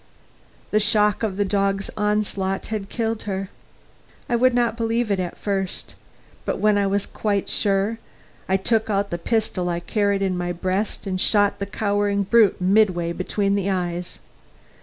The shock of the dog's onslaught had killed her. I would not believe it at first, but when I was quite sure, I took out the pistol I carried in my breast and shot the cowering brute midway between the eyes.